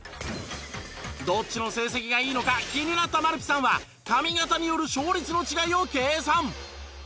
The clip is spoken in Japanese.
どっちの成績がいいのか気になったまるぴさんは髪型による勝率の違いを計算。